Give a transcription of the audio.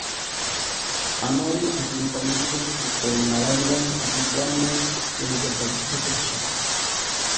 আনোয়ারুল আজিম কর্মজীবন শুরু করেন নারায়ণগঞ্জের এমপ্লয়মেন্ট এক্সচেঞ্জের ব্যবস্থাপক হিসেবে।